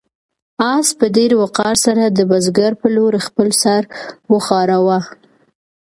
آس په ډېر وقار سره د بزګر په لور خپل سر وښوراوه.